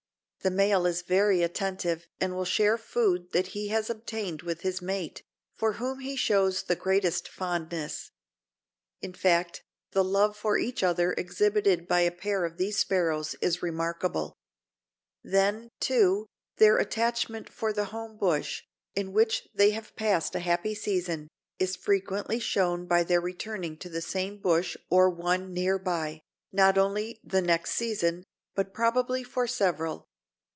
The male is very attentive and will share food that he has obtained with his mate, for whom he shows the greatest fondness. In fact, the love for each other exhibited by a pair of these sparrows is remarkable. Then, too, their attachment for the home bush, in which they have passed a happy season, is frequently shown by their returning to the same bush or one near by, not only the next season, but probably for several.